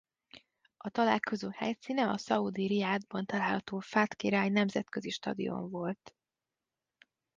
A találkozó helyszíne a szaúdi Rijádban található Fahd király nemzetközi stadion volt.